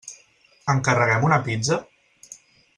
Encarreguem una pizza?